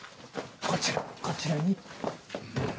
こちらこちらに。